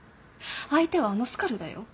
相手はあのスカルだよ。